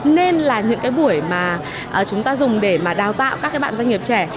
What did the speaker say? nên là những cái buổi mà chúng ta dùng để mà đào tạo các cái bạn doanh nghiệp trẻ